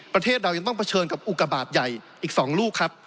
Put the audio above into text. ประเทศเรายังต้องเผชิญกับอุกบาทใหญ่อีก๒ลูกครับ